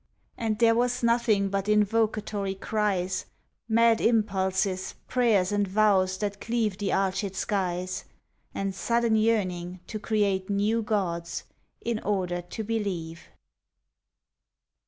And there was nothing but invocatory cries, Mad impulses, prayers and vows that cleave The arched skies, And sudden yearning to create new gods, In order to believe.